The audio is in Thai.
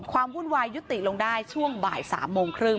ความร่วมวายยุติลงได้บ่ายชั่วสามโมงครึ่ง